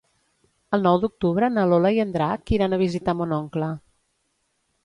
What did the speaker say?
El nou d'octubre na Lola i en Drac iran a visitar mon oncle.